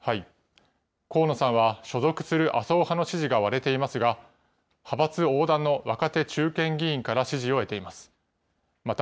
河野さんは、所属する麻生派の支持が割れていますが、派閥横断の若手・中堅議員から支持を得ています。